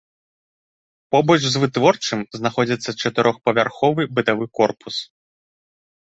Побач з вытворчым знаходзіцца чатырохпавярховы бытавы корпус.